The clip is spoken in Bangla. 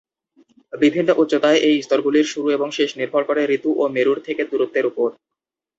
বিভিন্ন উচ্চতায় এই স্তরগুলির শুরু এবং শেষ নির্ভর করে ঋতু ও মেরুর থেকে দূরত্বের ওপর।